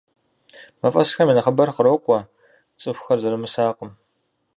Мафӏэсхэм я нэхъыбэр кърокӏуэ цӏыхухэр зэрымысакъым.